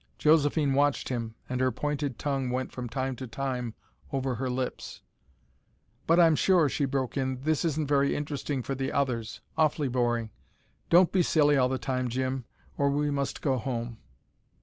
Josephine watched him, and her pointed tongue went from time to time over her lips. "But I'm sure," she broke in, "this isn't very interesting for the others. Awfully boring! Don't be silly all the time, Jim, or we must go home."